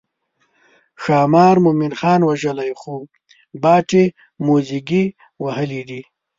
ښامار مومن خان وژلی خو باټې موزیګي وهلي دي.